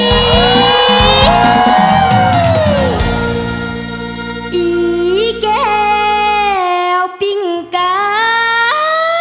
อีแก้วปิงไกล